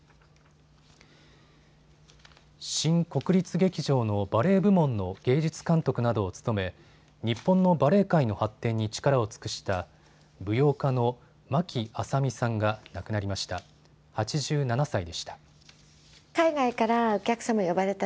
新国立劇場のバレエ部門の芸術監督などを務め日本のバレエ界の発展に力を尽くした舞踊家の牧阿佐美さんが亡くなりました。